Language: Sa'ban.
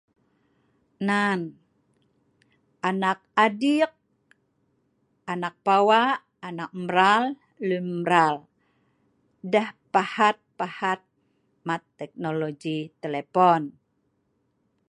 Nan anak adik, anak pawa', anak mral, lun mral, deh pahat-pahat mat teknologi telepon.